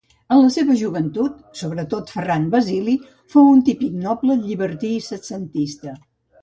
En la seva joventut, sobretot, Ferran Basili fou un típic noble llibertí setcentista.